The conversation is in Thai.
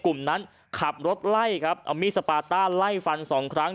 กลุ่มนั้นขับรถไล่ครับเอามีดสปาต้าไล่ฟันสองครั้ง